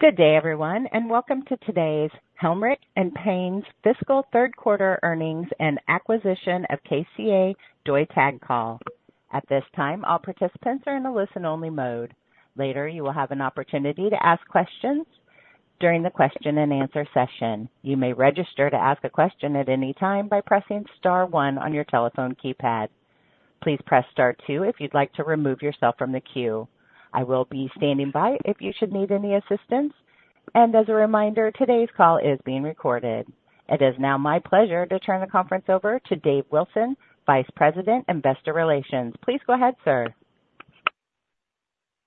Good day, everyone, and welcome to today's Helmerich & Payne's Fiscal Third Quarter Earnings and Acquisition of KCA Deutag call. At this time, all participants are in a listen-only mode. Later, you will have an opportunity to ask questions during the question-and-answer session. You may register to ask a question at any time by pressing star one on your telephone keypad. Please press star two if you'd like to remove yourself from the queue. I will be standing by if you should need any assistance. And as a reminder, today's call is being recorded. It is now my pleasure to turn the conference over to Dave Wilson, Vice President, Investor Relations. Please go ahead, sir.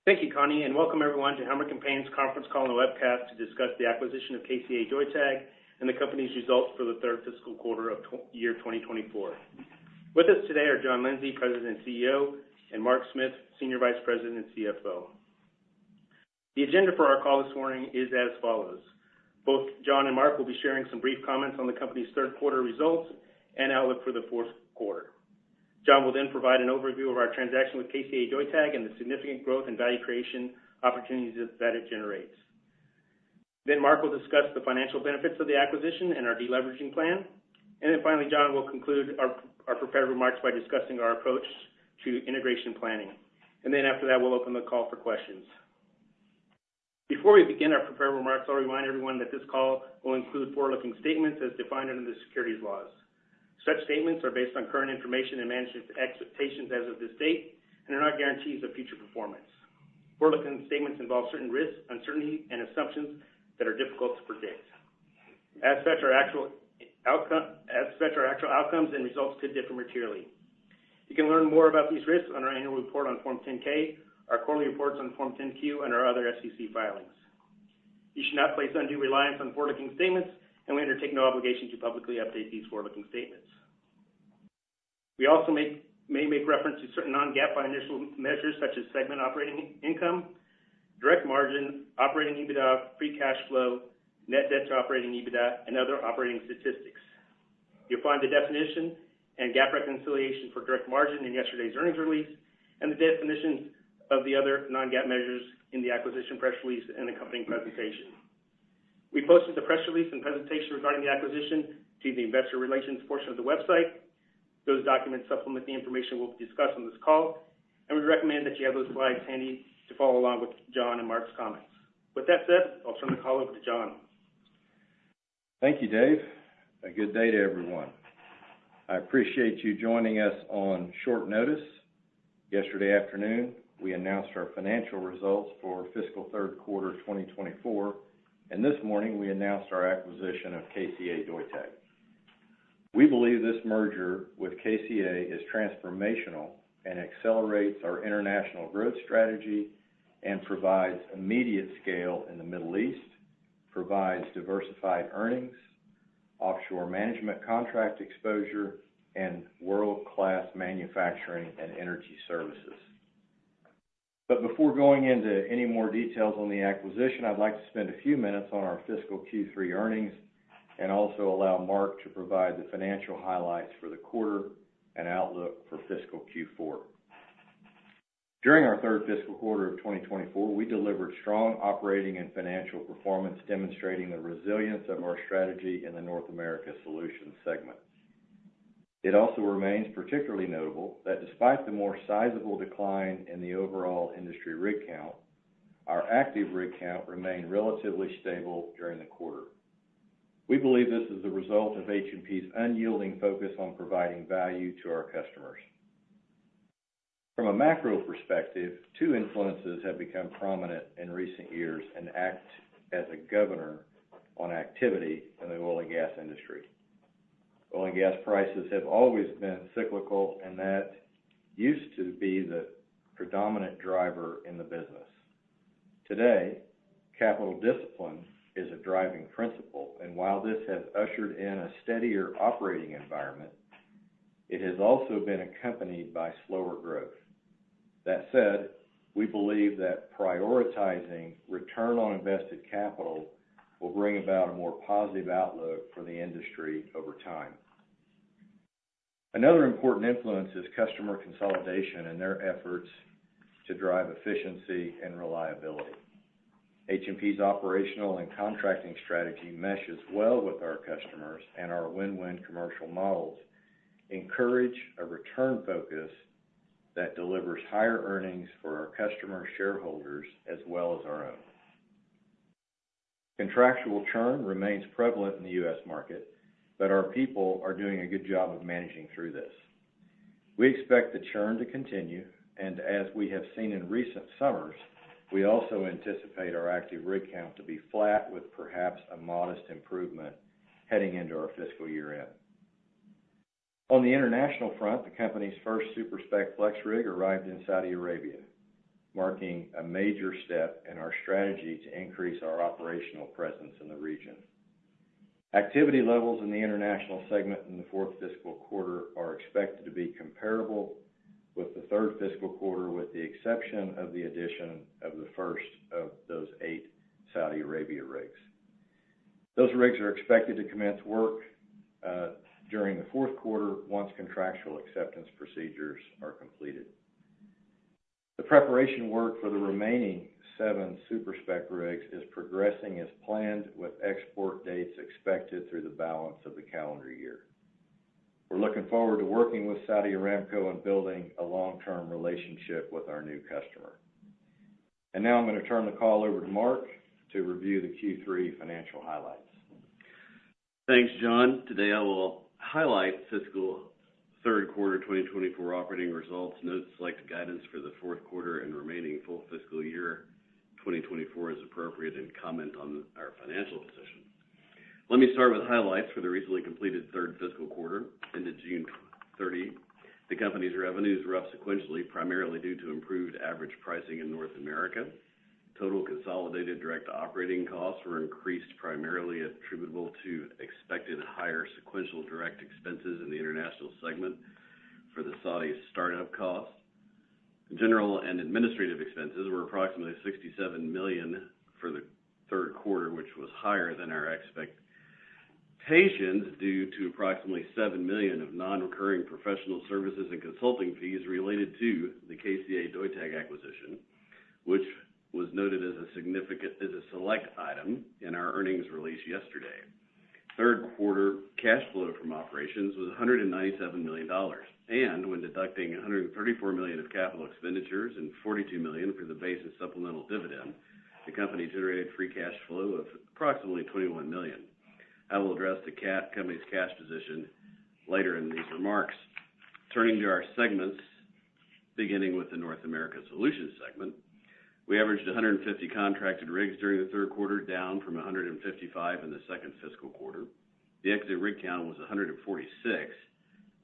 Thank you, Connie, and welcome everyone to Helmerich & Payne's conference call and webcast to discuss the acquisition of KCA Deutag and the company's results for the third fiscal quarter of year 2024. With us today are John Lindsay, President and CEO, and Mark Smith, Senior Vice President and CFO. The agenda for our call this morning is as follows. Both John and Mark will be sharing some brief comments on the company's third quarter results and outlook for the fourth quarter. John will then provide an overview of our transaction with KCA Deutag and the significant growth and value creation opportunities that it generates. Then Mark will discuss the financial benefits of the acquisition and our deleveraging plan. And then finally, John will conclude our prepared remarks by discussing our approach to integration planning. And then after that, we'll open the call for questions. Before we begin our prepared remarks, I'll remind everyone that this call will include forward-looking statements as defined under the securities laws. Such statements are based on current information and management expectations as of this date and are not guarantees of future performance. Forward-looking statements involve certain risks, uncertainty, and assumptions that are difficult to predict. As such, our actual outcomes and results could differ materially. You can learn more about these risks on our annual report on Form 10-K, our quarterly reports on Form 10-Q, and our other SEC filings. You should not place undue reliance on forward-looking statements, and we undertake no obligation to publicly update these forward-looking statements. We also may make reference to certain non-GAAP financial measures such as segment operating income, direct margin, operating EBITDA, free cash flow, net debt to operating EBITDA, and other operating statistics. You'll find the definition and GAAP reconciliation for direct margin in yesterday's earnings release and the definitions of the other non-GAAP measures in the acquisition press release and accompanying presentation. We posted the press release and presentation regarding the acquisition to the Investor Relations portion of the website. Those documents supplement the information we'll discuss on this call, and we recommend that you have those slides handy to follow along with John and Mark's comments. With that said, I'll turn the call over to John. Thank you, Dave. A good day to everyone. I appreciate you joining us on short notice. Yesterday afternoon, we announced our financial results for fiscal third quarter 2024, and this morning, we announced our acquisition of KCA Deutag. We believe this merger with KCA Deutag is transformational and accelerates our international growth strategy and provides immediate scale in the Middle East, provides diversified earnings, offshore management contract exposure, and world-class manufacturing and energy services. But before going into any more details on the acquisition, I'd like to spend a few minutes on our fiscal Q3 earnings and also allow Mark to provide the financial highlights for the quarter and outlook for fiscal Q4. During our third fiscal quarter of 2024, we delivered strong operating and financial performance demonstrating the resilience of our strategy in the North America Solutions segment. It also remains particularly notable that despite the more sizable decline in the overall industry rig count, our active rig count remained relatively stable during the quarter. We believe this is the result of H&P's unyielding focus on providing value to our customers. From a macro perspective, two influences have become prominent in recent years and act as a governor on activity in the oil and gas industry. Oil and gas prices have always been cyclical, and that used to be the predominant driver in the business. Today, capital discipline is a driving principle, and while this has ushered in a steadier operating environment, it has also been accompanied by slower growth. That said, we believe that prioritizing return on invested capital will bring about a more positive outlook for the industry over time. Another important influence is customer consolidation and their efforts to drive efficiency and reliability. H&P's operational and contracting strategy meshes well with our customers, and our win-win commercial models encourage a return focus that delivers higher earnings for our customer shareholders as well as our own. Contractual churn remains prevalent in the U.S. market, but our people are doing a good job of managing through this. We expect the churn to continue, and as we have seen in recent summers, we also anticipate our active rig count to be flat with perhaps a modest improvement heading into our fiscal year end. On the international front, the company's first super-spec FlexRig arrived in Saudi Arabia, marking a major step in our strategy to increase our operational presence in the region. Activity levels in the international segment in the fourth fiscal quarter are expected to be comparable with the third fiscal quarter, with the exception of the addition of the first of those 8 Saudi Arabia rigs. Those rigs are expected to commence work during the fourth quarter once contractual acceptance procedures are completed. The preparation work for the remaining 7 super-spec rigs is progressing as planned, with export dates expected through the balance of the calendar year. We're looking forward to working with Saudi Aramco and building a long-term relationship with our new customer. And now I'm going to turn the call over to Mark to review the Q3 financial highlights. Thanks, John. Today, I will highlight fiscal third quarter 2024 operating results, notable guidance for the fourth quarter, and remaining full fiscal year 2024 as appropriate, and comment on our financial position. Let me start with highlights for the recently completed third fiscal quarter ended June 30. The company's revenues were up sequentially, primarily due to improved average pricing in North America. Total consolidated direct operating costs were increased, primarily attributable to expected higher sequential direct expenses in the international segment for the Saudi startup cost. General and administrative expenses were approximately $67 million for the third quarter, which was higher than our expectations due to approximately $7 million of non-recurring professional services and consulting fees related to the KCA Deutag acquisition, which was noted as a select item in our earnings release yesterday. Third quarter cash flow from operations was $197 million, and when deducting $134 million of capital expenditures and $42 million for the base and supplemental dividend, the company generated free cash flow of approximately $21 million. I will address the company's cash position later in these remarks. Turning to our segments, beginning with the North America Solutions segment, we averaged 150 contracted rigs during the third quarter, down from 155 in the second fiscal quarter. The exit rig count was 146,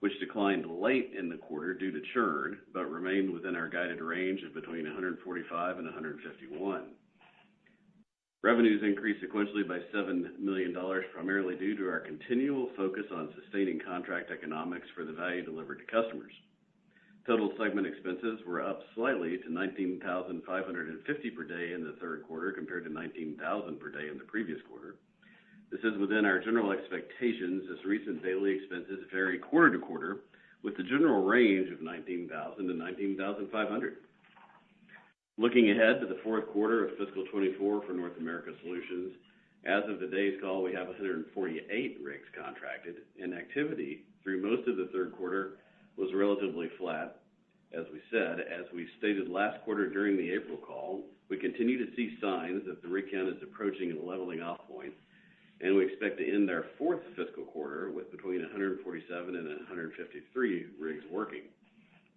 which declined late in the quarter due to churn but remained within our guided range of between 145 and 151. Revenues increased sequentially by $7 million, primarily due to our continual focus on sustaining contract economics for the value delivered to customers. Total segment expenses were up slightly to $19,550 per day in the third quarter compared to $19,000 per day in the previous quarter. This is within our general expectations as recent daily expenses vary quarter to quarter, with the general range of $19,000-$19,500. Looking ahead to the fourth quarter of fiscal 2024 for North America Solutions, as of today's call, we have 148 rigs contracted, and activity through most of the third quarter was relatively flat. As we said, as we stated last quarter during the April call, we continue to see signs that the rig count is approaching a leveling off point, and we expect to end our fourth fiscal quarter with between 147 and 153 rigs working.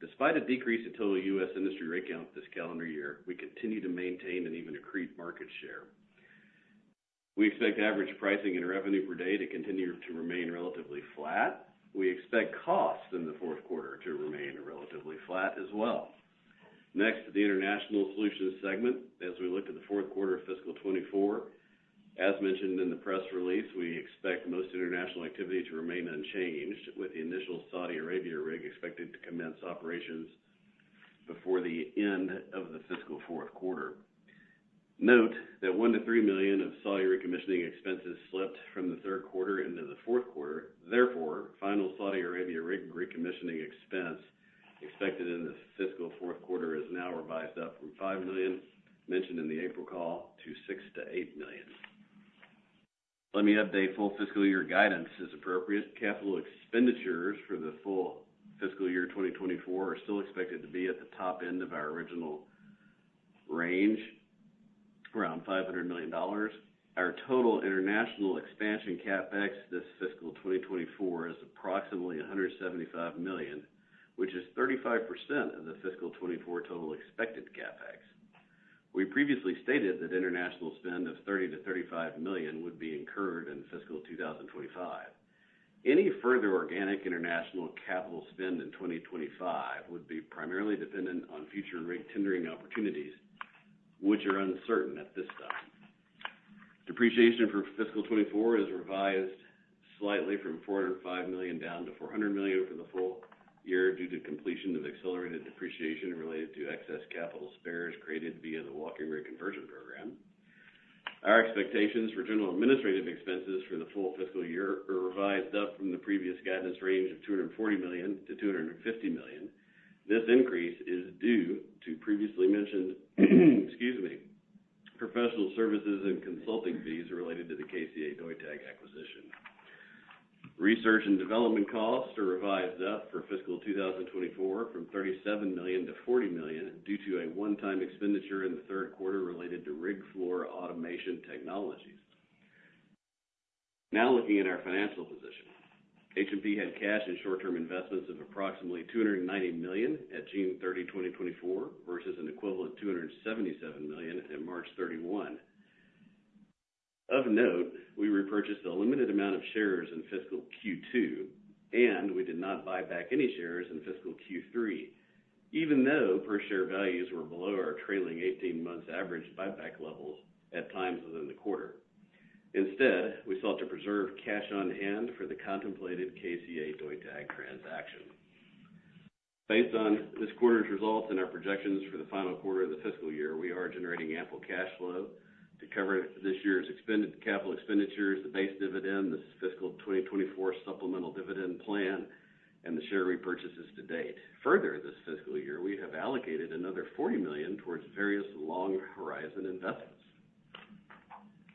Despite a decrease in total U.S. industry rig count this calendar year, we continue to maintain and even accrete market share. We expect average pricing and revenue per day to continue to remain relatively flat. We expect costs in the fourth quarter to remain relatively flat as well. Next, the International Solutions segment, as we look to the fourth quarter of fiscal 2024, as mentioned in the press release, we expect most international activity to remain unchanged, with the initial Saudi Arabia rig expected to commence operations before the end of the fiscal fourth quarter. Note that $1 million-$3 million of Saudi recommissioning expenses slipped from the third quarter into the fourth quarter. Therefore, final Saudi Arabia rig recommissioning expense expected in the fiscal fourth quarter is now revised up from $5 million, mentioned in the April call, to $6 million-$8 million. Let me update full fiscal year guidance as appropriate. Capital expenditures for the full fiscal year 2024 are still expected to be at the top end of our original range, around $500 million. Our total international expansion CapEx this fiscal 2024 is approximately $175 million, which is 35% of the fiscal 2024 total expected CapEx. We previously stated that international spend of $30-$35 million would be incurred in fiscal 2025. Any further organic international capital spend in 2025 would be primarily dependent on future rig tendering opportunities, which are uncertain at this time. Depreciation for fiscal 2024 is revised slightly from $405 million down to $400 million for the full year due to completion of accelerated depreciation related to excess capital spares created via the walking rig conversion program. Our expectations for general administrative expenses for the full fiscal year are revised up from the previous guidance range of $240 million-$250 million. This increase is due to previously mentioned professional services and consulting fees related to the KCA Deutag acquisition. Research and development costs are revised up for fiscal 2024 from $37 million to $40 million due to a one-time expenditure in the third quarter related to rig floor automation technologies. Now looking at our financial position, H&P had cash and short-term investments of approximately $290 million at June 30, 2024, versus an equivalent of $277 million at March 31. Of note, we repurchased a limited amount of shares in fiscal Q2, and we did not buy back any shares in fiscal Q3, even though per-share values were below our trailing 18-month average buyback levels at times within the quarter. Instead, we sought to preserve cash on hand for the contemplated KCA Deutag transaction. Based on this quarter's results and our projections for the final quarter of the fiscal year, we are generating ample cash flow to cover this year's capital expenditures, the base dividend, the fiscal 2024 supplemental dividend plan, and the share repurchases to date. Further, this fiscal year, we have allocated another $40 million towards various long-horizon investments.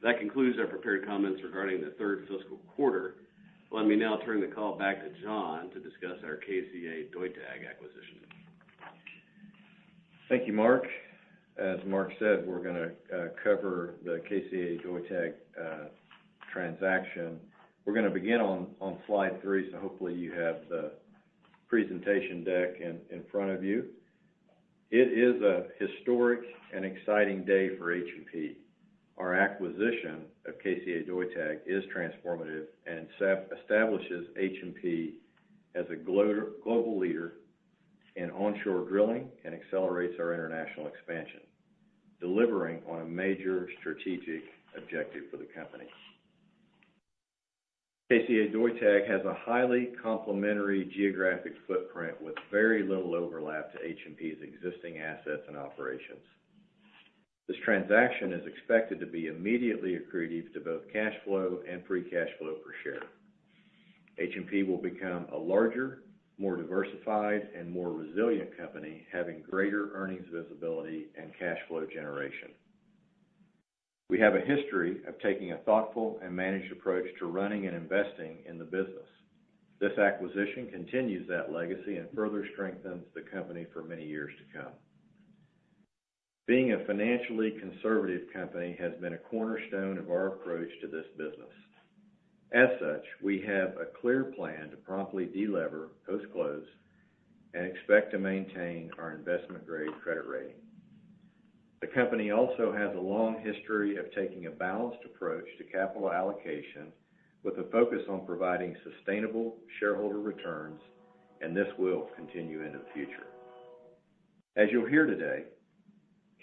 That concludes our prepared comments regarding the third fiscal quarter. Let me now turn the call back to John to discuss our KCA Deutag acquisition. Thank you, Mark. As Mark said, we're going to cover the KCA Deutag transaction. We're going to begin on slide three, so hopefully you have the presentation deck in front of you. It is a historic and exciting day for H&P. Our acquisition of KCA Deutag is transformative and establishes H&P as a global leader in onshore drilling and accelerates our international expansion, delivering on a major strategic objective for the company. KCA Deutag has a highly complementary geographic footprint with very little overlap to H&P's existing assets and operations. This transaction is expected to be immediately accretive to both cash flow and free cash flow per share. H&P will become a larger, more diversified, and more resilient company, having greater earnings visibility and cash flow generation. We have a history of taking a thoughtful and managed approach to running and investing in the business. This acquisition continues that legacy and further strengthens the company for many years to come. Being a financially conservative company has been a cornerstone of our approach to this business. As such, we have a clear plan to promptly delever post-close and expect to maintain our investment-grade credit rating. The company also has a long history of taking a balanced approach to capital allocation with a focus on providing sustainable shareholder returns, and this will continue into the future. As you'll hear today,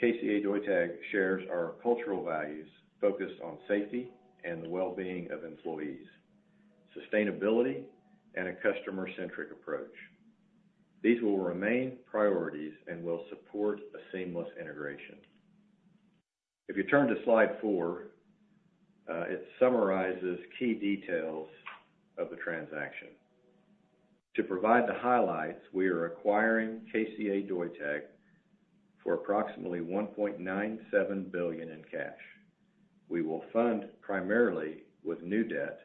KCA Deutag shares our cultural values focused on safety and the well-being of employees, sustainability, and a customer-centric approach. These will remain priorities and will support a seamless integration. If you turn to slide four, it summarizes key details of the transaction. To provide the highlights, we are acquiring KCA Deutag for approximately $1.97 billion in cash. We will fund primarily with new debt,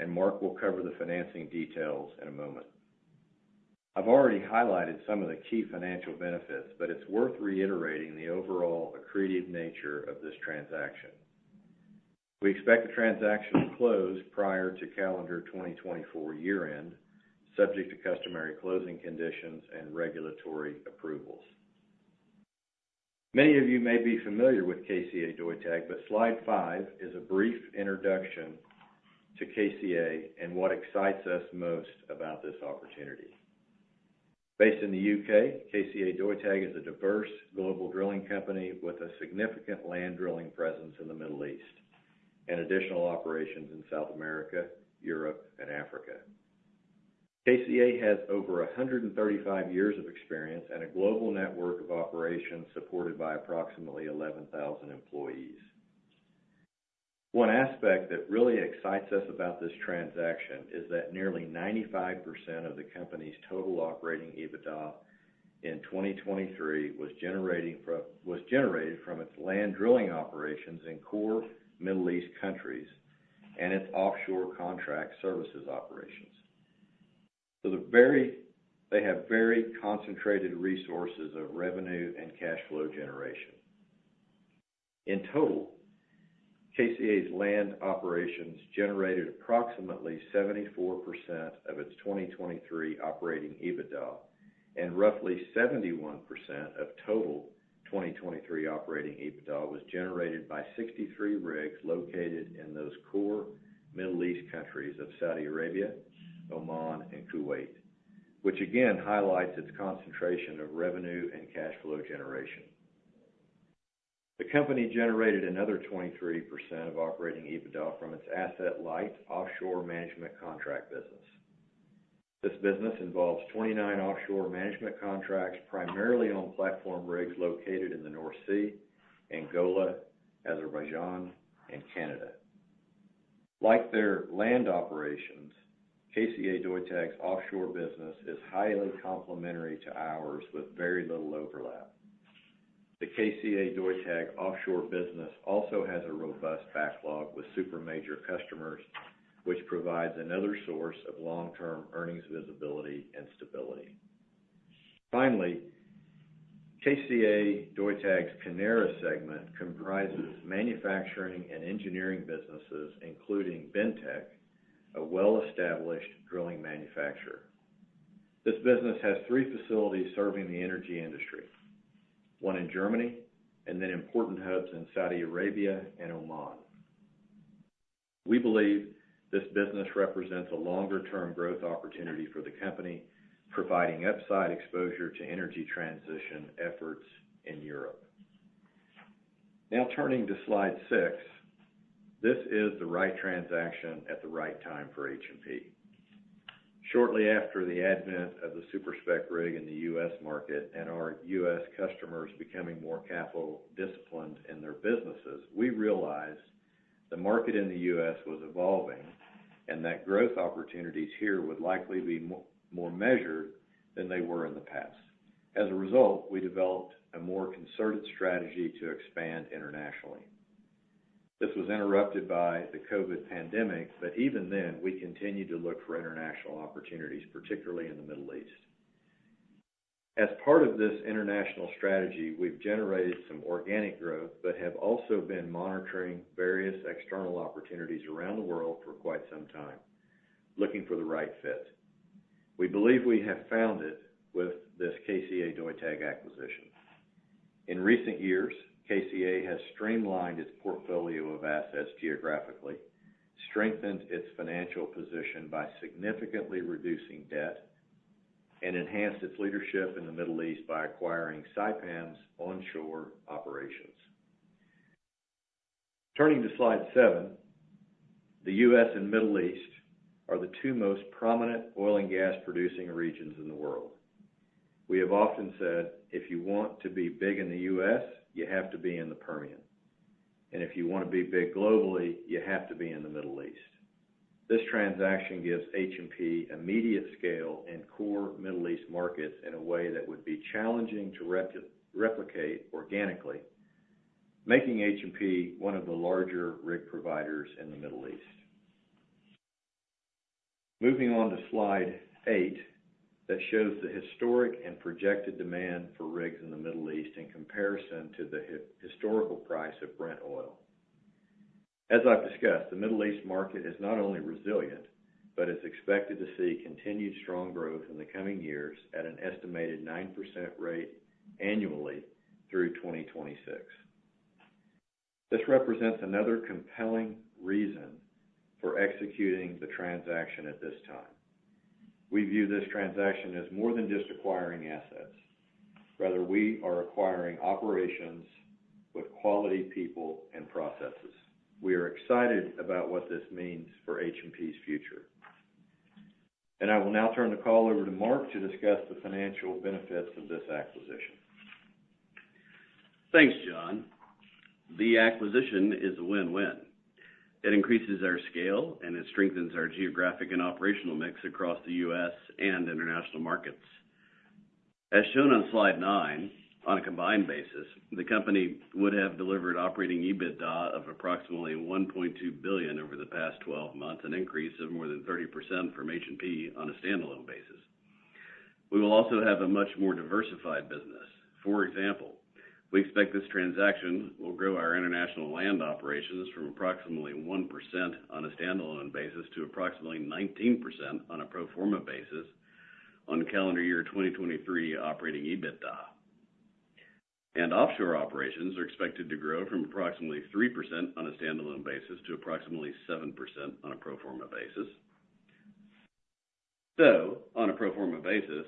and Mark will cover the financing details in a moment. I've already highlighted some of the key financial benefits, but it's worth reiterating the overall accretive nature of this transaction. We expect the transaction to close prior to calendar 2024 year-end, subject to customary closing conditions and regulatory approvals. Many of you may be familiar with KCA Deutag, but slide five is a brief introduction to KCA and what excites us most about this opportunity. Based in the U.K., KCA Deutag is a diverse global drilling company with a significant land drilling presence in the Middle East and additional operations in South America, Europe, and Africa. KCA has over 135 years of experience and a global network of operations supported by approximately 11,000 employees. One aspect that really excites us about this transaction is that nearly 95% of the company's total operating EBITDA in 2023 was generated from its land drilling operations in core Middle East countries and its offshore contract services operations. They have very concentrated resources of revenue and cash flow generation. In total, KCA's land operations generated approximately 74% of its 2023 operating EBITDA, and roughly 71% of total 2023 operating EBITDA was generated by 63 rigs located in those core Middle East countries of Saudi Arabia, Oman, and Kuwait, which again highlights its concentration of revenue and cash flow generation. The company generated another 23% of operating EBITDA from its asset-light offshore management contract business. This business involves 29 offshore management contracts, primarily on platform rigs located in the North Sea, Angola, Azerbaijan, and Canada. Like their land operations, KCA Deutag's offshore business is highly complementary to ours with very little overlap. The KCA Deutag offshore business also has a robust backlog with super major customers, which provides another source of long-term earnings visibility and stability. Finally, KCA Deutag's Kenera segment comprises manufacturing and engineering businesses, including Bentec, a well-established drilling manufacturer. This business has three facilities serving the energy industry, one in Germany and then important hubs in Saudi Arabia and Oman. We believe this business represents a longer-term growth opportunity for the company, providing upside exposure to energy transition efforts in Europe. Now turning to slide six, this is the right transaction at the right time for H&P. Shortly after the advent of the super-spec rig in the U.S. market and our U.S. customers becoming more capital disciplined in their businesses, we realized the market in the U.S. was evolving and that growth opportunities here would likely be more measured than they were in the past. As a result, we developed a more concerted strategy to expand internationally. This was interrupted by the COVID pandemic, but even then, we continued to look for international opportunities, particularly in the Middle East. As part of this international strategy, we've generated some organic growth but have also been monitoring various external opportunities around the world for quite some time, looking for the right fit. We believe we have found it with this KCA Deutag acquisition. In recent years, KCA has streamlined its portfolio of assets geographically, strengthened its financial position by significantly reducing debt, and enhanced its leadership in the Middle East by acquiring Saipem's onshore operations. Turning to slide seven, the U.S. and Middle East are the two most prominent oil and gas-producing regions in the world. We have often said, "If you want to be big in the U.S., you have to be in the Permian," and if you want to be big globally, you have to be in the Middle East. This transaction gives H&P immediate scale in core Middle East markets in a way that would be challenging to replicate organically, making H&P one of the larger rig providers in the Middle East. Moving on to slide eight that shows the historic and projected demand for rigs in the Middle East in comparison to the historical price of Brent oil. As I've discussed, the Middle East market is not only resilient but is expected to see continued strong growth in the coming years at an estimated 9% rate annually through 2026. This represents another compelling reason for executing the transaction at this time. We view this transaction as more than just acquiring assets. Rather, we are acquiring operations with quality people and processes. We are excited about what this means for H&P's future. I will now turn the call over to Mark to discuss the financial benefits of this acquisition. Thanks, John. The acquisition is a win-win. It increases our scale and it strengthens our geographic and operational mix across the U.S. and international markets. As shown on slide nine, on a combined basis, the company would have delivered operating EBITDA of approximately $1.2 billion over the past 12 months, an increase of more than 30% from H&P on a standalone basis. We will also have a much more diversified business. For example, we expect this transaction will grow our international land operations from approximately 1% on a standalone basis to approximately 19% on a pro forma basis on calendar year 2023 operating EBITDA. And offshore operations are expected to grow from approximately 3% on a standalone basis to approximately 7% on a pro forma basis. So, on a pro forma basis,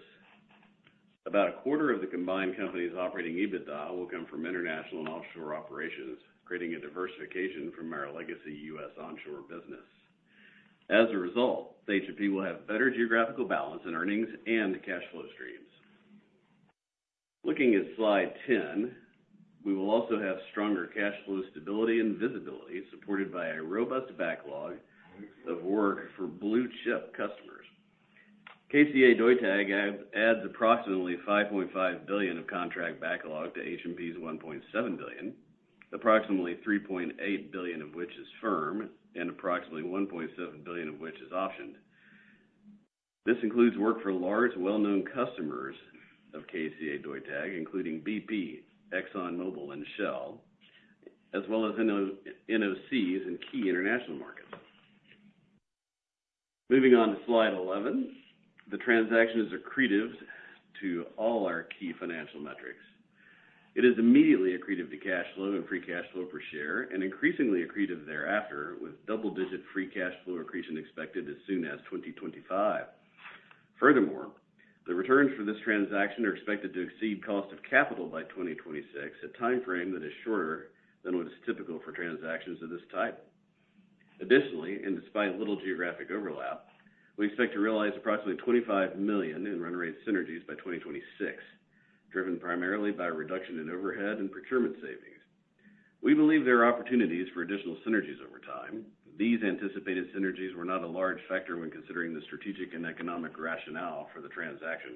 about a quarter of the combined company's operating EBITDA will come from international and offshore operations, creating a diversification from our legacy U.S. onshore business. As a result, H&P will have better geographical balance in earnings and cash flow streams. Looking at slide 10, we will also have stronger cash flow stability and visibility supported by a robust backlog of work for blue-chip customers. KCA Deutag adds approximately $5.5 billion of contract backlog to H&P's $1.7 billion, approximately $3.8 billion of which is firm, and approximately $1.7 billion of which is optioned. This includes work for large well-known customers of KCA Deutag, including BP, ExxonMobil, and Shell, as well as NOCs in key international markets. Moving on to slide 11, the transaction is accretive to all our key financial metrics. It is immediately accretive to cash flow and free cash flow per share, and increasingly accretive thereafter with double-digit free cash flow accretion expected as soon as 2025. Furthermore, the returns for this transaction are expected to exceed cost of capital by 2026, a timeframe that is shorter than what is typical for transactions of this type. Additionally, and despite little geographic overlap, we expect to realize approximately $25 million in run rate synergies by 2026, driven primarily by a reduction in overhead and procurement savings. We believe there are opportunities for additional synergies over time. These anticipated synergies were not a large factor when considering the strategic and economic rationale for the transaction.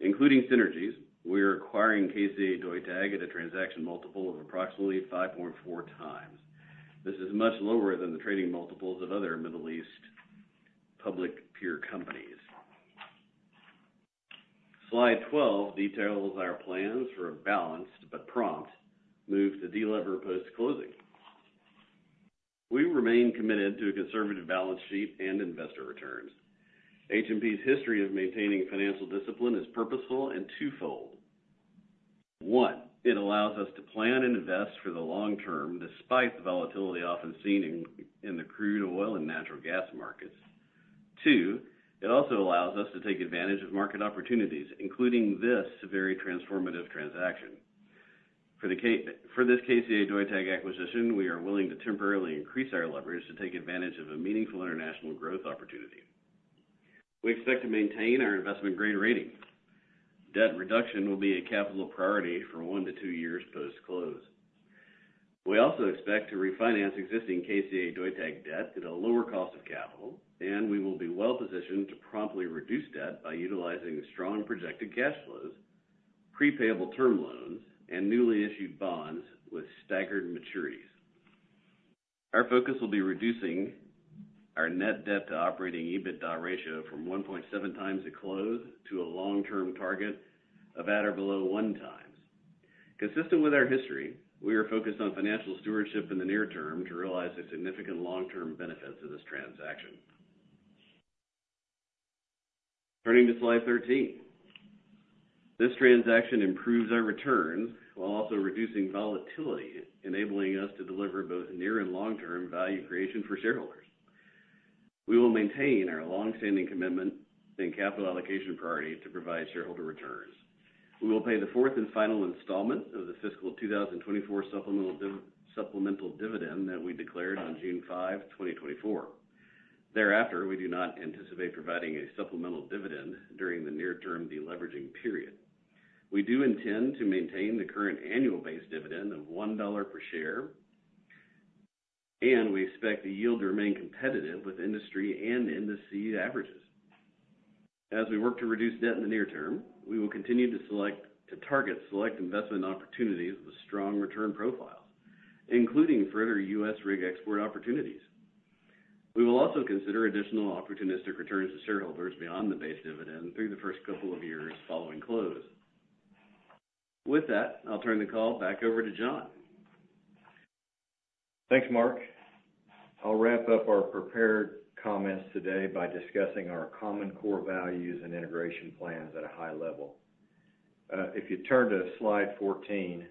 Including synergies, we are acquiring KCA Deutag at a transaction multiple of approximately 5.4x. This is much lower than the trading multiples of other Middle East public peer companies. Slide 12 details our plans for a balanced but prompt move to delever post-closing. We remain committed to a conservative balance sheet and investor returns. H&P's history of maintaining financial discipline is purposeful and twofold. One, it allows us to plan and invest for the long term despite the volatility often seen in the crude oil and natural gas markets. Two, it also allows us to take advantage of market opportunities, including this very transformative transaction. For this KCA Deutag acquisition, we are willing to temporarily increase our leverage to take advantage of a meaningful international growth opportunity. We expect to maintain our investment-grade rating. Debt reduction will be a capital priority for 1 year-2 years post-close. We also expect to refinance existing KCA Deutag debt at a lower cost of capital, and we will be well-positioned to promptly reduce debt by utilizing strong projected cash flows, prepayable term loans, and newly issued bonds with staggered maturities. Our focus will be reducing our net debt-to-operating EBITDA ratio from 1.7x at close to a long-term target of at or below 1 times. Consistent with our history, we are focused on financial stewardship in the near term to realize the significant long-term benefits of this transaction. Turning to slide 13, this transaction improves our returns while also reducing volatility, enabling us to deliver both near- and long-term value creation for shareholders. We will maintain our long-standing commitment and capital allocation priority to provide shareholder returns. We will pay the fourth and final installment of the fiscal 2024 supplemental dividend that we declared on June 5, 2024. Thereafter, we do not anticipate providing a supplemental dividend during the near-term deleveraging period. We do intend to maintain the current annual base dividend of $1 per share, and we expect the yield to remain competitive with industry and industry averages. As we work to reduce debt in the near term, we will continue to target select investment opportunities with strong return profiles, including further U.S. rig export opportunities. We will also consider additional opportunistic returns to shareholders beyond the base dividend through the first couple of years following close. With that, I'll turn the call back over to John. Thanks, Mark. I'll wrap up our prepared comments today by discussing our common core values and integration plans at a high level. If you turn to slide 14,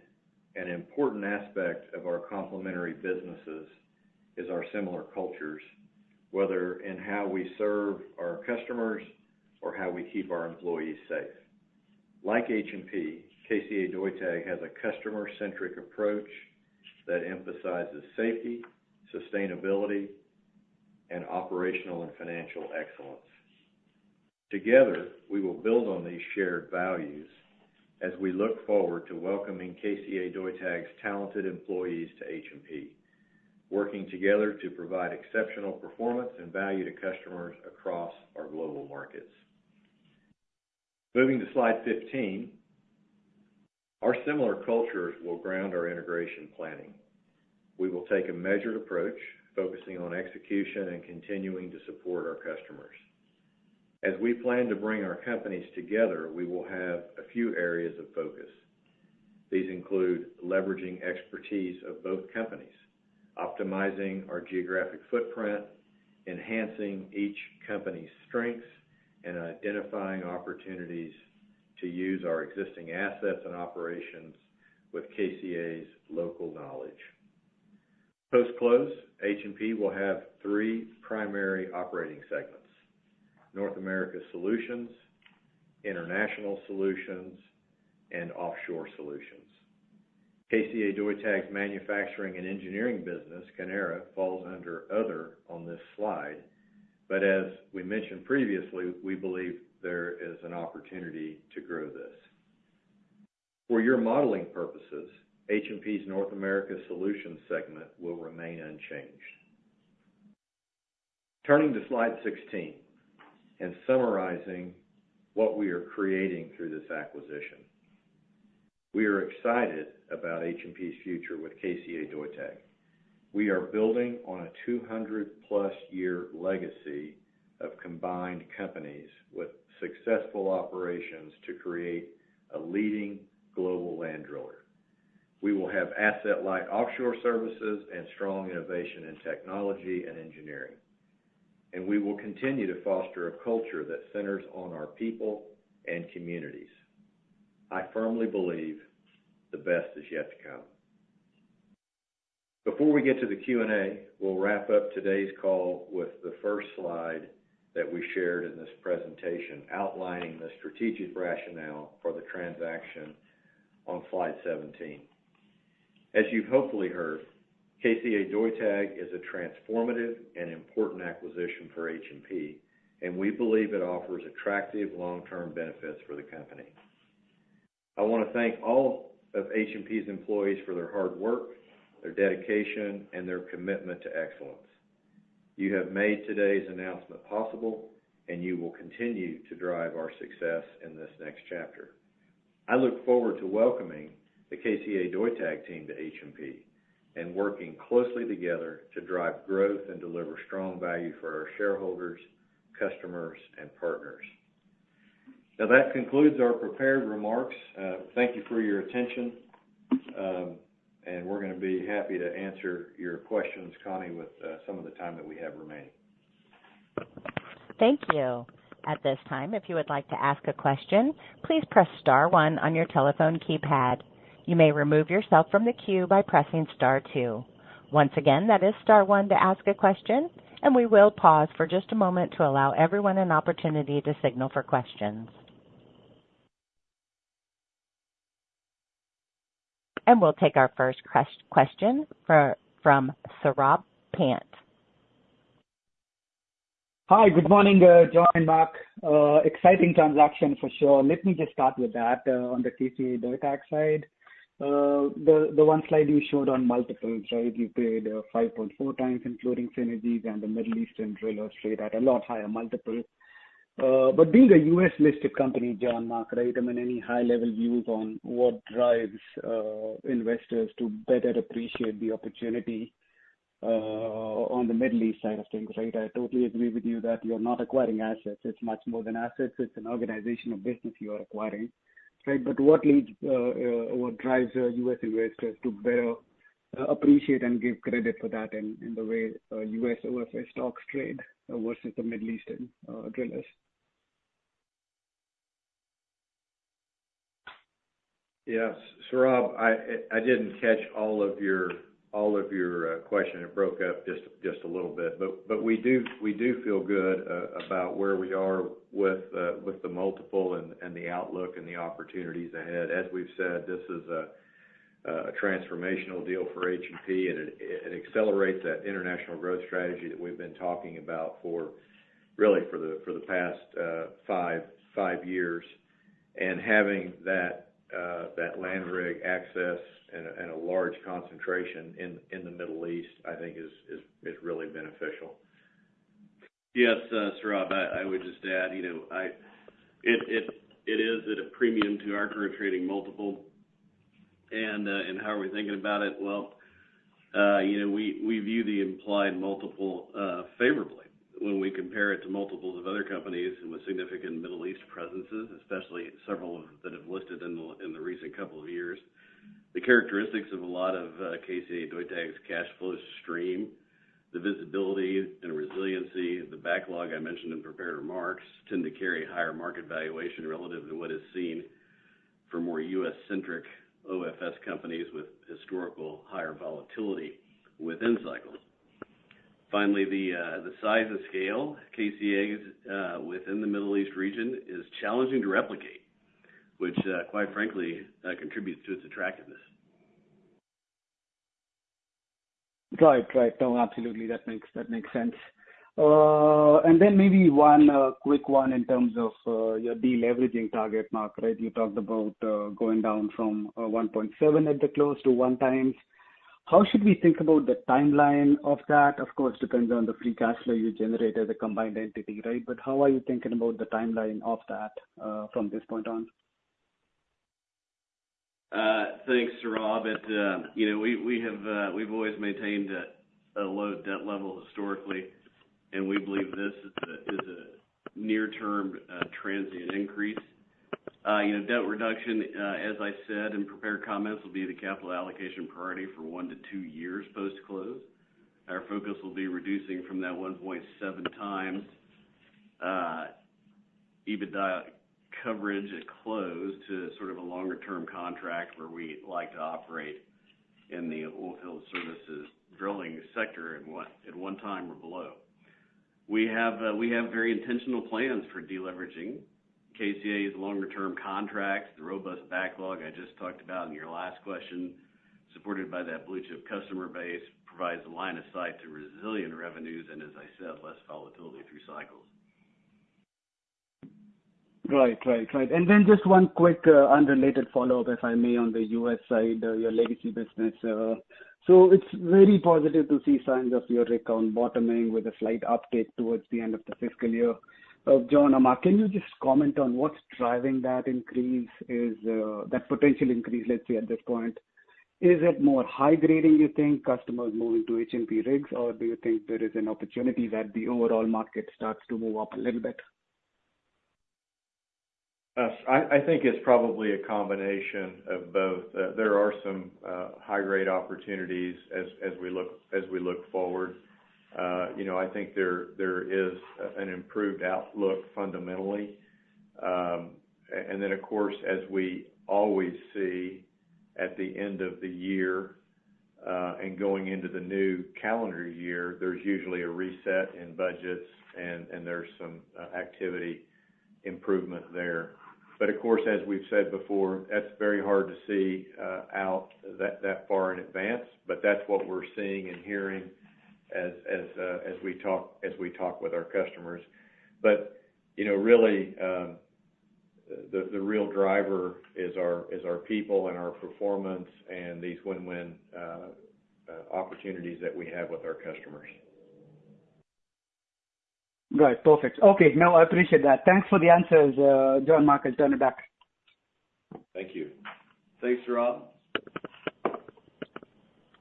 an important aspect of our complementary businesses is our similar cultures, whether in how we serve our customers or how we keep our employees safe. Like H&P, KCA Deutag has a customer-centric approach that emphasizes safety, sustainability, and operational and financial excellence. Together, we will build on these shared values as we look forward to welcoming KCA Deutag's talented employees to H&P, working together to provide exceptional performance and value to customers across our global markets. Moving to slide 15, our similar cultures will ground our integration planning. We will take a measured approach, focusing on execution and continuing to support our customers. As we plan to bring our companies together, we will have a few areas of focus. These include leveraging expertise of both companies, optimizing our geographic footprint, enhancing each company's strengths, and identifying opportunities to use our existing assets and operations with KCA Deutag's local knowledge. Post-close, H&P will have three primary operating segments: North America Solutions, International Solutions, and Offshore Solutions. KCA Deutag's manufacturing and engineering business, Kenera, falls under other on this slide, but as we mentioned previously, we believe there is an opportunity to grow this. For your modeling purposes, H&P's North America Solutions segment will remain unchanged. Turning to slide 16 and summarizing what we are creating through this acquisition, we are excited about H&P's future with KCA Deutag. We are building on a 200+ year legacy of combined companies with successful operations to create a leading global land driller. We will have asset-light offshore services and strong innovation in technology and engineering, and we will continue to foster a culture that centers on our people and communities. I firmly believe the best is yet to come. Before we get to the Q&A, we'll wrap up today's call with the first slide that we shared in this presentation outlining the strategic rationale for the transaction on slide 17. As you've hopefully heard, KCA Deutag is a transformative and important acquisition for H&P, and we believe it offers attractive long-term benefits for the company. I want to thank all of H&P's employees for their hard work, their dedication, and their commitment to excellence. You have made today's announcement possible, and you will continue to drive our success in this next chapter. I look forward to welcoming the KCA Deutag team to H&P and working closely together to drive growth and deliver strong value for our shareholders, customers, and partners. Now, that concludes our prepared remarks. Thank you for your attention, and we're going to be happy to answer your questions, Connie, with some of the time that we have remaining. Thank you. At this time, if you would like to ask a question, please press star one on your telephone keypad. You may remove yourself from the queue by pressing star two. Once again, that is star one to ask a question, and we will pause for just a moment to allow everyone an opportunity to signal for questions. We'll take our first question from Saurabh Pant. Hi, good morning, John and Mark. Exciting transaction for sure. Let me just start with that on the KCA Deutag side. The one slide you showed on multiples, right? You paid 5.4x, including synergies and the Middle Eastern drillers straight at a lot higher multiple. But being a U.S.-listed company, John, Mark, right? I mean, any high-level views on what drives investors to better appreciate the opportunity on the Middle East side of things, right? I totally agree with you that you're not acquiring assets. It's much more than assets. It's an organization of business you are acquiring, right? But what drives U.S. investors to better appreciate and give credit for that in the way U.S. OFS stocks trade versus the Middle Eastern drillers? Yes. Saurabh, I didn't catch all of your question. It broke up just a little bit. But we do feel good about where we are with the multiple and the outlook and the opportunities ahead. As we've said, this is a transformational deal for H&P, and it accelerates that international growth strategy that we've been talking about really for the past five years. And having that land rig access and a large concentration in the Middle East, I think, is really beneficial. Yes, Saurabh, I would just add it is at a premium to our current trading multiple. And how are we thinking about it? Well, we view the implied multiple favorably when we compare it to multiples of other companies with significant Middle East presences, especially several that have listed in the recent couple of years. The characteristics of a lot of KCA Deutag's cash flow stream, the visibility and resiliency, the backlog I mentioned in prepared remarks, tend to carry higher market valuation relative to what is seen for more U.S.-centric OFS companies with historical higher volatility within cycles. Finally, the size and scale of KCA Deutag within the Middle East region is challenging to replicate, which, quite frankly, contributes to its attractiveness. Right, right. No, absolutely. That makes sense. And then maybe one quick one in terms of your deleveraging target, Mark, right? You talked about going down from 1.7 at the close to 1x. How should we think about the timeline of that? Of course, it depends on the free cash flow you generate as a combined entity, right? But how are you thinking about the timeline of that from this point on? Thanks, Saurabh. We've always maintained a low debt level historically, and we believe this is a near-term transient increase. Debt reduction, as I said in prepared comments, will be the capital allocation priority for 1 year-2 years post-close. Our focus will be reducing from that 1.7x EBITDA coverage at close to sort of a longer-term contract where we like to operate in the oilfield services drilling sector at one time or below. We have very intentional plans for deleveraging. KCA's longer-term contracts, the robust backlog I just talked about in your last question, supported by that blue-chip customer base, provides a line of sight to resilient revenues and, as I said, less volatility through cycles. Right, right, right. And then just one quick unrelated follow-up, if I may, on the U.S. side, your legacy business. So it's very positive to see signs of your rig count bottoming with a slight uptick towards the end of the fiscal year. John or Mark, can you just comment on what's driving that increase, that potential increase, let's say, at this point? Is it more high grading, you think, customers moving to H&P rigs, or do you think there is an opportunity that the overall market starts to move up a little bit? I think it's probably a combination of both. There are some high-grade opportunities as we look forward. I think there is an improved outlook fundamentally. And then, of course, as we always see at the end of the year and going into the new calendar year, there's usually a reset in budgets, and there's some activity improvement there. But, of course, as we've said before, that's very hard to see out that far in advance, but that's what we're seeing and hearing as we talk with our customers. But really, the real driver is our people and our performance and these win-win opportunities that we have with our customers. Right. Perfect. Okay. No, I appreciate that. Thanks for the answers, John and Mark. I'll turn it back. Thank you. Thanks,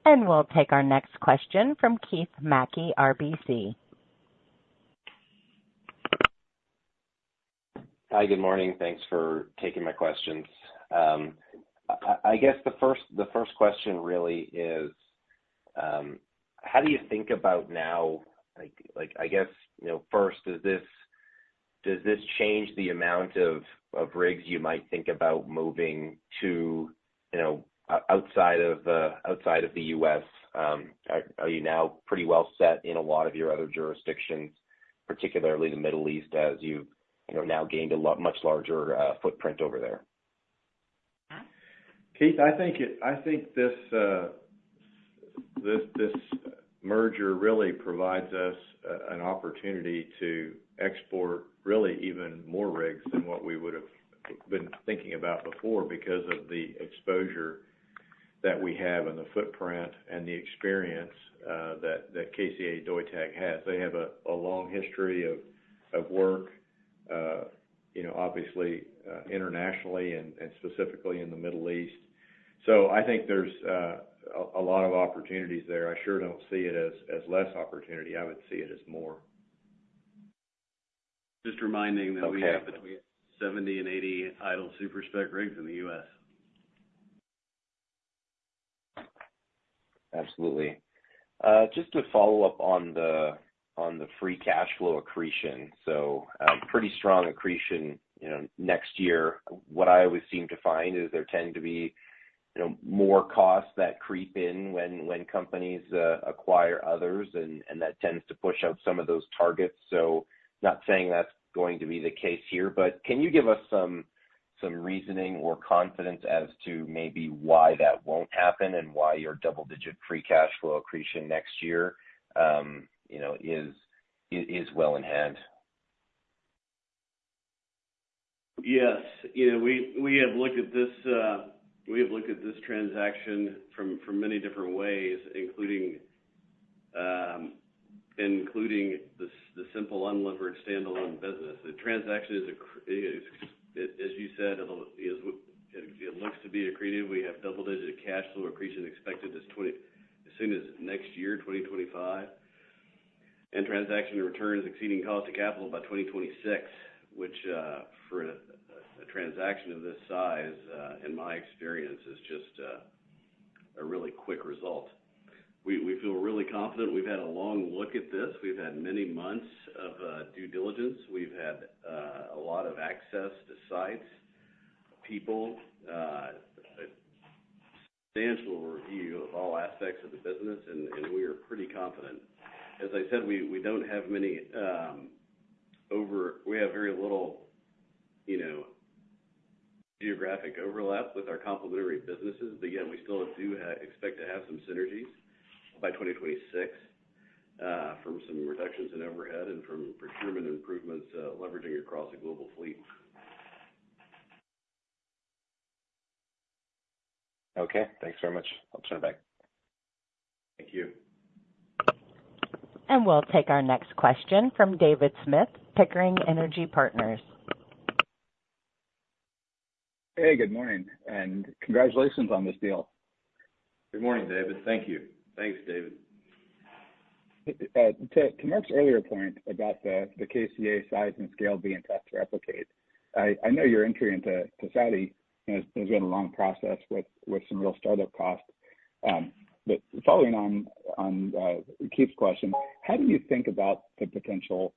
Saurabh. We'll take our next question from Keith Mackey, RBC. Hi, good morning. Thanks for taking my questions. I guess the first question really is, how do you think about now? I guess, first, does this change the amount of rigs you might think about moving to outside of the U.S.? Are you now pretty well set in a lot of your other jurisdictions, particularly the Middle East, as you've now gained a much larger footprint over there? Keith, I think this merger really provides us an opportunity to export really even more rigs than what we would have been thinking about before because of the exposure that we have and the footprint and the experience that KCA Deutag has. They have a long history of work, obviously, internationally and specifically in the Middle East. So I think there's a lot of opportunities there. I sure don't see it as less opportunity. I would see it as more. Just reminding that we have between 70 and 80 idle super-spec rigs in the U.S. Absolutely. Just to follow up on the free cash flow accretion. So pretty strong accretion next year. What I always seem to find is there tend to be more costs that creep in when companies acquire others, and that tends to push up some of those targets. So not saying that's going to be the case here, but can you give us some reasoning or confidence as to maybe why that won't happen and why your double-digit free cash flow accretion next year is well in hand? Yes. We have looked at this we have looked at this transaction from many different ways, including the simple unlimited standalone business. The transaction is, as you said, it looks to be accretive. We have double-digit cash flow accretion expected as soon as next year, 2025. And transaction returns exceeding cost of capital by 2026, which for a transaction of this size, in my experience, is just a really quick result. We feel really confident. We've had a long look at this. We've had many months of due diligence. We've had a lot of access to sites, people, substantial review of all aspects of the business, and we are pretty confident. As I said, we have very little geographic overlap with our complementary businesses, but yet we still do expect to have some synergies by 2026 from some reductions in overhead and from procurement improvements leveraging across the global fleet. Okay. Thanks very much. I'll turn it back. Thank you. We'll take our next question from David Smith, Pickering Energy Partners. Hey, good morning. Congratulations on this deal. Good morning, David. Thank you. Thanks, David. To Mark's earlier point about the KCA size and scale being tough to replicate, I know your entry into Saudi has been a long process with some real startup costs. But following on Keith's question, how do you think about the potential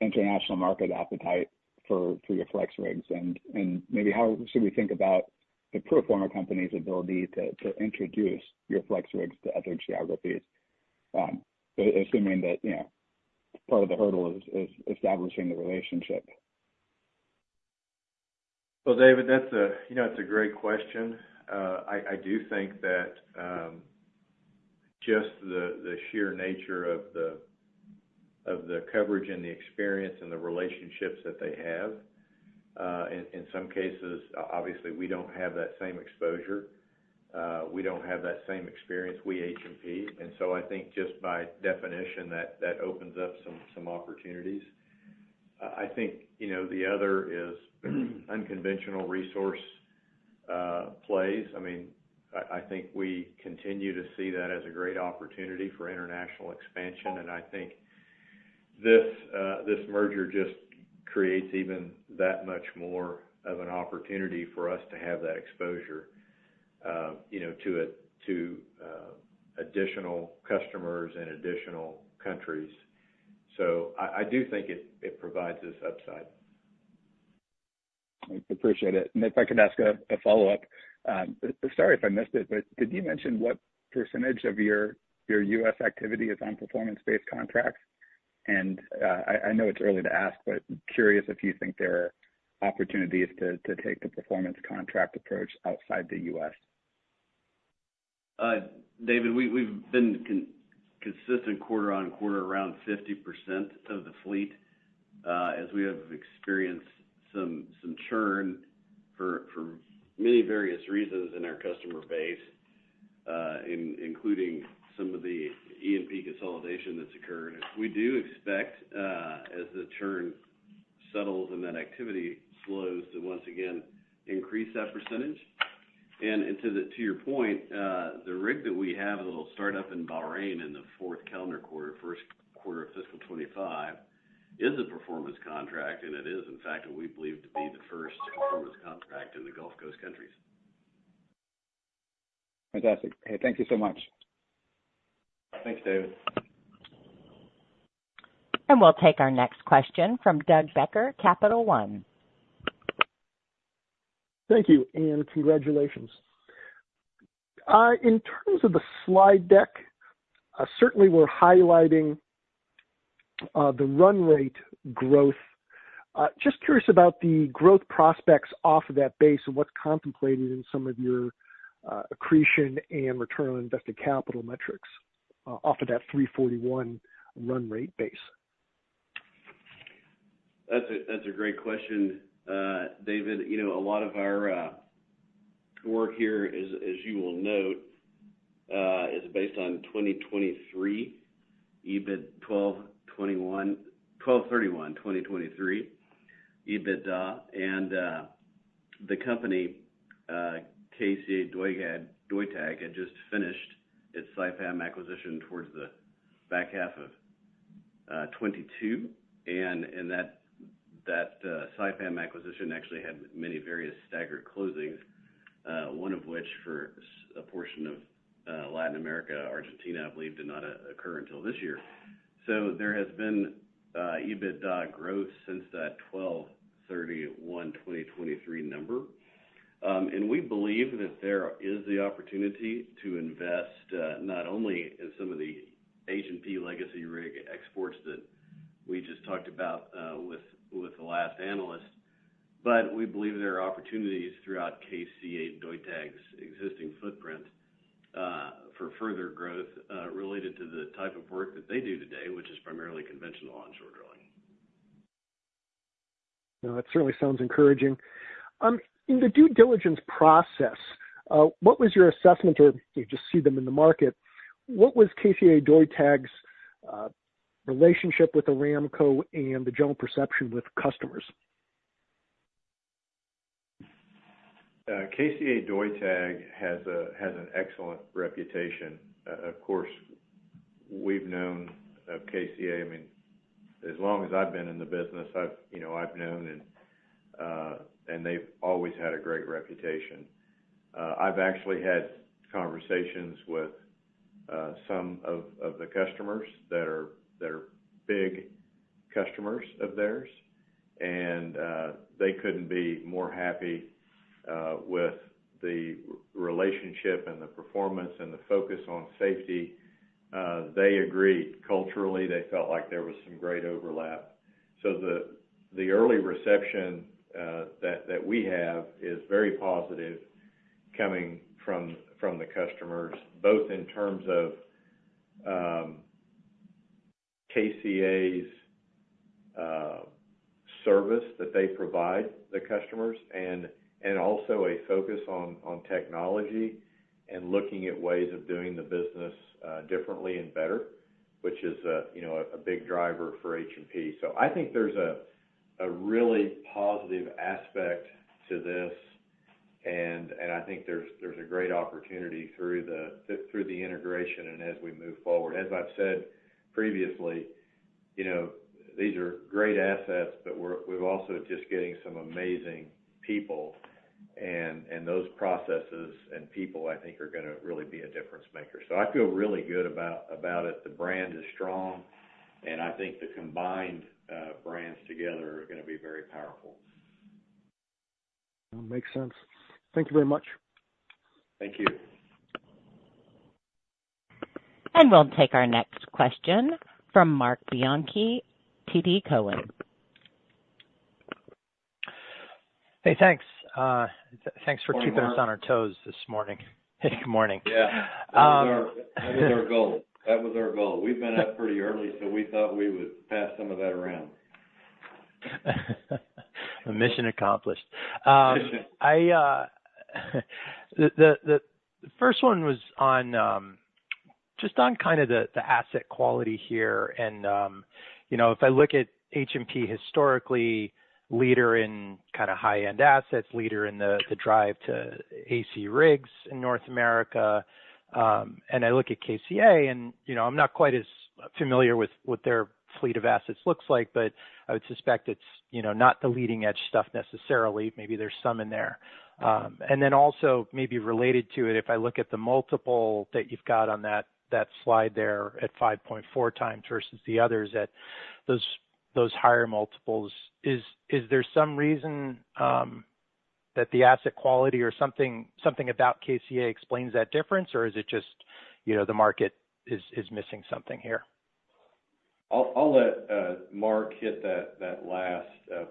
international market appetite for your FlexRigs? And maybe how should we think about the pro forma company's ability to introduce your FlexRigs to other geographies, assuming that part of the hurdle is establishing the relationship? Well, David, that's a great question. I do think that just the sheer nature of the coverage and the experience and the relationships that they have. In some cases, obviously, we don't have that same exposure. We don't have that same experience. We H&P. And so I think just by definition, that opens up some opportunities. I think the other is unconventional resource plays. I mean, I think we continue to see that as a great opportunity for international expansion. And I think this merger just creates even that much more of an opportunity for us to have that exposure to additional customers and additional countries. So I do think it provides us upside. I appreciate it. If I could ask a follow-up, sorry if I missed it, but did you mention what percentage of your U.S. activity is on performance-based contracts? I know it's early to ask, but curious if you think there are opportunities to take the performance contract approach outside the U.S.? David, we've been consistent quarter-over-quarter around 50% of the fleet, as we have experienced some churn for many various reasons in our customer base, including some of the E&P consolidation that's occurred. We do expect, as the churn settles and that activity slows, to once again increase that percentage. To your point, the rig that we have that will start up in Bahrain in the fourth calendar quarter, first quarter of fiscal 2025, is a performance contract, and it is, in fact, what we believe to be the first performance contract in the Gulf Coast countries. Fantastic. Hey, thank you so much. Thanks, David. We'll take our next question from Doug Becker, Capital One. Thank you, and congratulations. In terms of the slide deck, certainly we're highlighting the run rate growth. Just curious about the growth prospects off of that base and what's contemplated in some of your accretion and return on invested capital metrics off of that $341 million run rate base. That's a great question, David. A lot of our work here, as you will note, is based on 2023 EBITDA 12/31/2023 EBITDA. And the company, KCA Deutag, had just finished its Saipem acquisition towards the back half of 2022. And that Saipem acquisition actually had many various staggered closings, one of which for a portion of Latin America, Argentina, I believe, did not occur until this year. So there has been EBITDA growth since that 12/31/2023 number. And we believe that there is the opportunity to invest not only in some of the H&P legacy rig exports that we just talked about with the last analyst, but we believe there are opportunities throughout KCA Deutag's existing footprint for further growth related to the type of work that they do today, which is primarily conventional onshore drilling. No, that certainly sounds encouraging. In the due diligence process, what was your assessment, or you just see them in the market, what was KCA Deutag's relationship with Aramco and the general perception with customers? KCA Deutag has an excellent reputation. Of course, we've known KCA. I mean, as long as I've been in the business, I've known, and they've always had a great reputation. I've actually had conversations with some of the customers that are big customers of theirs, and they couldn't be more happy with the relationship and the performance and the focus on safety. They agreed. Culturally, they felt like there was some great overlap. So the early reception that we have is very positive coming from the customers, both in terms of KCA's service that they provide the customers and also a focus on technology and looking at ways of doing the business differently and better, which is a big driver for H&P. So I think there's a really positive aspect to this, and I think there's a great opportunity through the integration and as we move forward. As I've said previously, these are great assets, but we're also just getting some amazing people, and those processes and people, I think, are going to really be a difference maker. So I feel really good about it. The brand is strong, and I think the combined brands together are going to be very powerful. Makes sense. Thank you very much. Thank you. We'll take our next question from Marc Bianchi, TD Cowen. Hey, thanks. Thanks for keeping us on our toes this morning. Hey, good morning. Yeah. That was our goal. That was our goal. We've been up pretty early, so we thought we would pass some of that around. Mission accomplished. The first one was just on kind of the asset quality here. If I look at H&P historically, leader in kind of high-end assets, leader in the drive to AC rigs in North America. I look at KCA, and I'm not quite as familiar with what their fleet of assets looks like, but I would suspect it's not the leading-edge stuff necessarily. Maybe there's some in there. Then also maybe related to it, if I look at the multiple that you've got on that slide there at 5.4x versus the others at those higher multiples, is there some reason that the asset quality or something about KCA explains that difference, or is it just the market is missing something here? I'll let Mark hit that last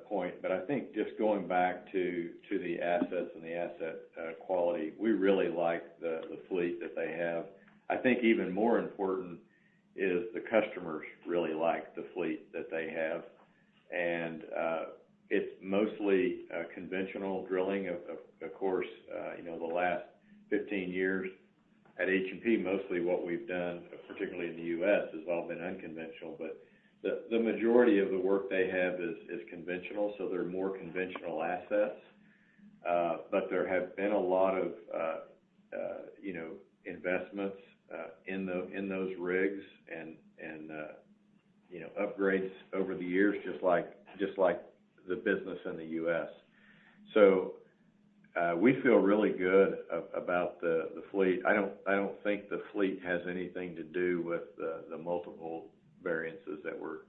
point. But I think just going back to the assets and the asset quality, we really like the fleet that they have. I think even more important is the customers really like the fleet that they have. And it's mostly conventional drilling. Of course, the last 15 years at H&P, mostly what we've done, particularly in the U.S., has all been unconventional. But the majority of the work they have is conventional, so they're more conventional assets. But there have been a lot of investments in those rigs and upgrades over the years, just like the business in the U.S. So we feel really good about the fleet. I don't think the fleet has anything to do with the multiple variances that we're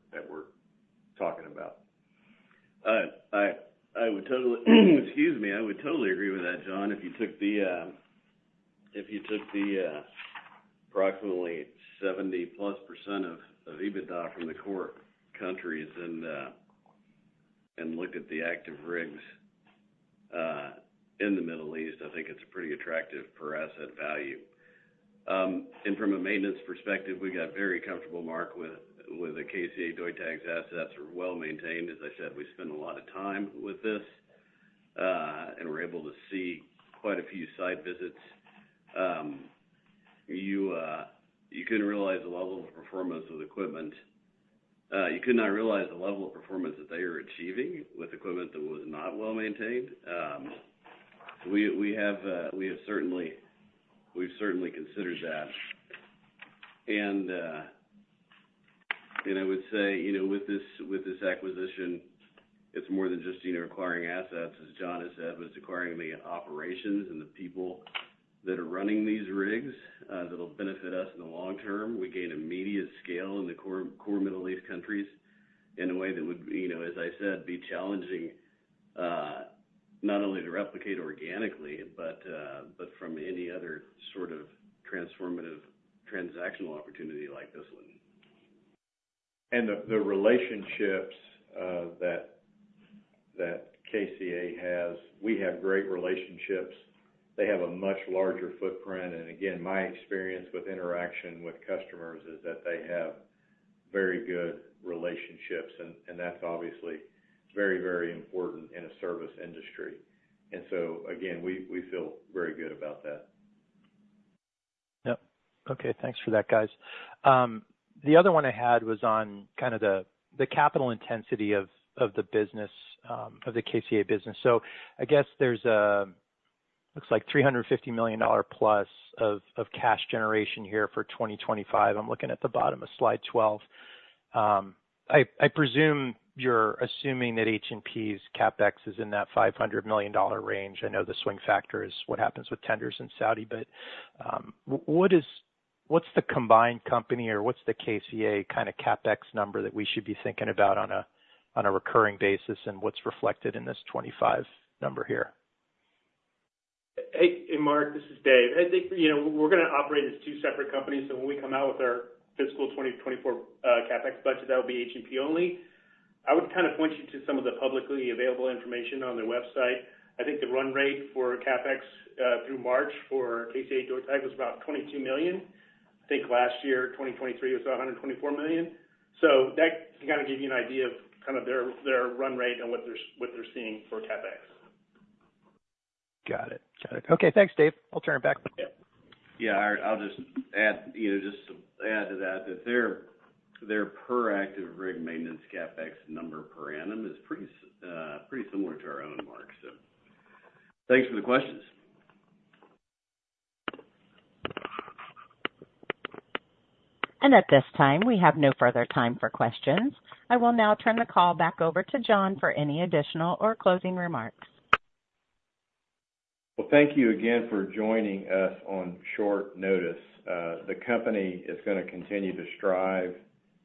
talking about. Excuse me. I would totally agree with that, John. If you took the approximately 70%+ of EBITDA from the core countries and looked at the active rigs in the Middle East, I think it's a pretty attractive per asset value. And from a maintenance perspective, we got very comfortable, Marc, with the KCA Deutag's assets are well maintained. As I said, we spend a lot of time with this, and we're able to see quite a few site visits. You couldn't realize the level of performance of the equipment. You could not realize the level of performance that they are achieving with equipment that was not well maintained. So we have certainly considered that. And I would say with this acquisition, it's more than just acquiring assets, as John has said, but it's acquiring the operations and the people that are running these rigs that will benefit us in the long term. We gain immediate scale in the core Middle East countries in a way that would, as I said, be challenging not only to replicate organically, but from any other sort of transformative transactional opportunity like this one. And the relationships that KCA has, we have great relationships. They have a much larger footprint. And again, my experience with interaction with customers is that they have very good relationships, and that's obviously very, very important in a service industry. And so again, we feel very good about that. Yep. Okay. Thanks for that, guys. The other one I had was on kind of the capital intensity of the business, of the KCA business. So I guess there's a, looks like $350 million+ of cash generation here for 2025. I'm looking at the bottom of slide 12. I presume you're assuming that H&P's CapEx is in that $500 million range. I know the swing factor is what happens with tenders in Saudi, but what's the combined company or what's the KCA kind of CapEx number that we should be thinking about on a recurring basis, and what's reflected in this 2025 number here? Hey, Marc, this is Dave. I think we're going to operate as two separate companies. So when we come out with our fiscal 2024 CapEx budget, that will be H&P only. I would kind of point you to some of the publicly available information on their website. I think the run rate for CapEx through March for KCA Deutag was about $22 million. I think last year, 2023, it was $124 million. So that can kind of give you an idea of kind of their run rate and what they're seeing for CapEx. Got it. Got it. Okay. Thanks, Dave. I'll turn it back. Yeah. I'll just add to that that their per active rig maintenance CapEx number per annum is pretty similar to our own, Marc. So thanks for the questions. At this time, we have no further time for questions. I will now turn the call back over to John for any additional or closing remarks. Well, thank you again for joining us on short notice. The company is going to continue to strive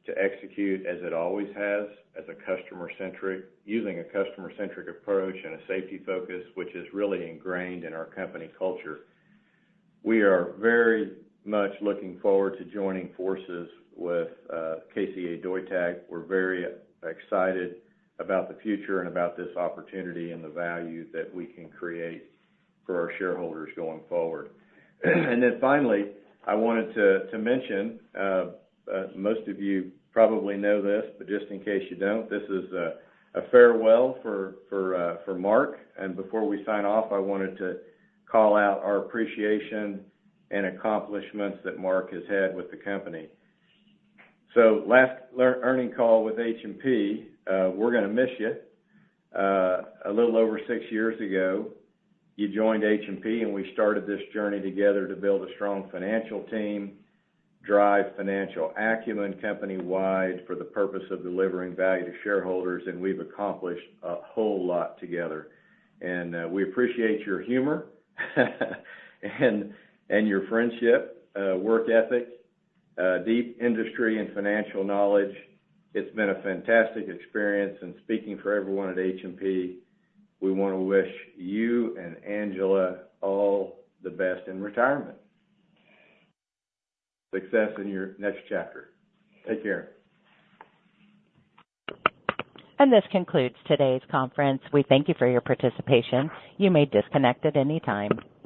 to execute as it always has, as a customer-centric, using a customer-centric approach and a safety focus, which is really ingrained in our company culture. We are very much looking forward to joining forces with KCA Deutag. We're very excited about the future and about this opportunity and the value that we can create for our shareholders going forward. And then finally, I wanted to mention, most of you probably know this, but just in case you don't, this is a farewell for Mark. And before we sign off, I wanted to call out our appreciation and accomplishments that Mark has had with the company. So last earnings call with H&P, we're going to miss you. A little over six years ago, you joined H&P, and we started this journey together to build a strong financial team, drive financial acumen company-wide for the purpose of delivering value to shareholders, and we've accomplished a whole lot together. We appreciate your humor and your friendship, work ethic, deep industry and financial knowledge. It's been a fantastic experience, and speaking for everyone at H&P, we want to wish you and Angela all the best in retirement. Success in your next chapter. Take care. This concludes today's conference. We thank you for your participation. You may disconnect at any time.